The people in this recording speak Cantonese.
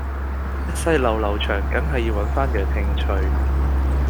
一世流流長緊係要搵返樣興趣